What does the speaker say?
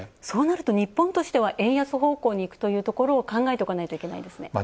そうなると日本としては円安方向にいくということを考えておかないといけないですね。